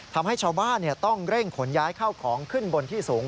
ทำให้ชาวบ้านต้องเร่งขนย้ายเข้าของขึ้นบนที่สูง